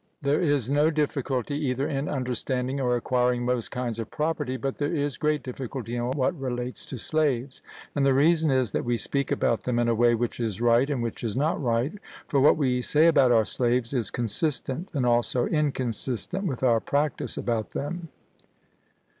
There is no difficulty either in understanding or acquiring most kinds of property, but there is great difficulty in what relates to slaves. And the reason is, that we speak about them in a way which is right and which is not right; for what we say about our slaves is consistent and also inconsistent with our practice about them.